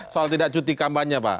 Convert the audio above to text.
soal tidak cuti kampanye pak